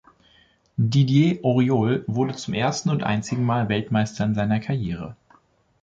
Didier Auriol wurde zum ersten und einzigen Mal Weltmeister in seiner Karriere.